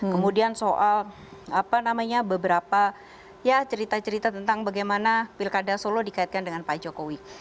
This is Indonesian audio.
kemudian soal beberapa ya cerita cerita tentang bagaimana pilkada solo dikaitkan dengan pak jokowi